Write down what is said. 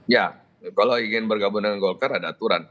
ya kalau ingin bergabung dengan golkar ada aturan